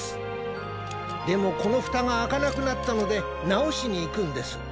でもこのふたがあかなくなったのでなおしにいくんです。